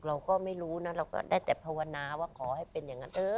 เราก็ไม่รู้นะเราก็ได้แต่ภาวนาว่าขอให้เป็นอย่างนั้น